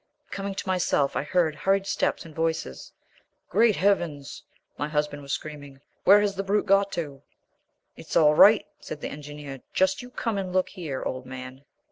Coming to myself, I heard hurried steps and voices. "Great heavens!" my husband was screaming, "where has the brute got to?" "It's all right," said the Engineer; "just you come and look here, old man.